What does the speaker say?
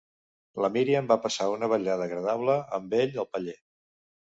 La Míriam va passar una vetllada agradable amb ell al paller.